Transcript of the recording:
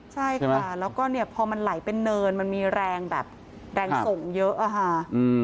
ใช่ค่ะแล้วก็เนี่ยพอมันไหลเป็นเนินมันมีแรงแบบแรงส่งเยอะอะค่ะ